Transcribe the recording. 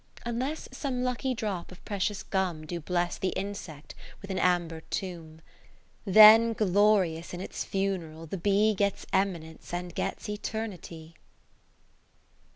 Unless some lucky drop of precious gum, Do bless the insect with an Amber tomb. Then glorious in its funeral the Bee Gets Eminence, and gets Eternity.